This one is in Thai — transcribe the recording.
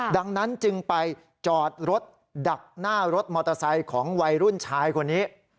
ดังนั้นจึงไปจอดรถดักหน้ารถมอเตอร์ไซค์ของวัยรุ่นชายคนนี้